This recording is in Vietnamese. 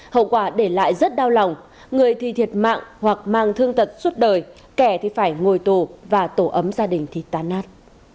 hậu quả để lại rất đau lòng người thì thiệt mạng hoặc mang thương tật suốt đời kẻ thì phải ngồi tù và tổ ấm gia đình thì tan nát